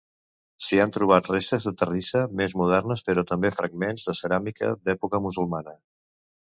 S'hi han trobat restes de terrissa més moderna però també fragments de ceràmica d'època musulmana.